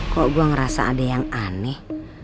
kok gue ngerasa ada yang aneh